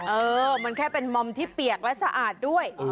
เออมันแค่เป็นมอมที่เปียกและสะอาดด้วย